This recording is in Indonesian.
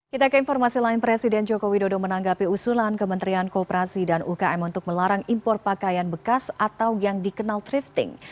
kita ke informasi lain presiden joko widodo menanggapi usulan kementerian kooperasi dan ukm untuk melarang impor pakaian bekas atau yang dikenal thrifting